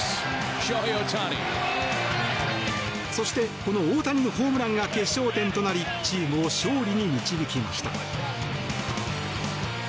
そしてこの大谷のホームランが決勝点となりチームを勝利に導きました。